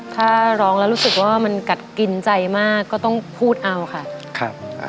ถ้าร้องแล้วรู้สึกว่ามันกัดกินใจมากก็ต้องพูดเอาค่ะครับ